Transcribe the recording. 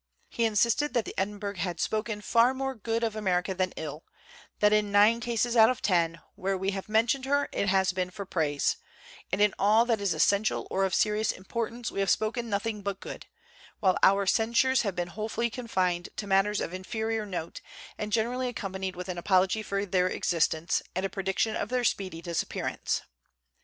He insisted that the Edinburgh had " spoken far more good of America than ill that in nine cases out of ten, where we have mentioned her, it has been for praise and in all 92 THE CENTENARY OF A QUESTION that is essential or of serious importance, we have spoken nothing but good; while our cen sures have been wholly confined to matters of inferior note, and generally accompanied with an apology for their existence, and a prediction of their speedy disappearance."